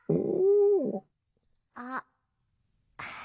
あっ。